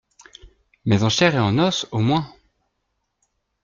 Mais en chair et en os au moins !